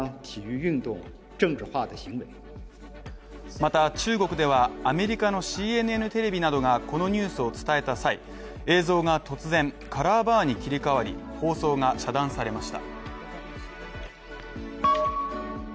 また中国ではアメリカのＣＮＮテレビなどがこのニュースを伝えた際、映像が突然カラーバーに切り替わり、放送が遮断されました。